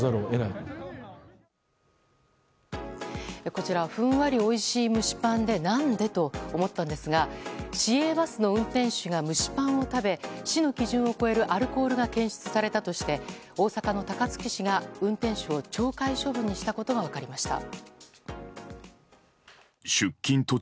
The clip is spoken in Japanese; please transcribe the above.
こちらふんわりおいしい蒸しパンで何で？と思ったんですが市営バスの運転手が蒸しパンを食べ市の基準を超えるアルコールが検出されたとして大阪の高槻市が運転手を懲戒処分にしたことが分かりました。